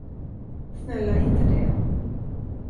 Snälla, inte det.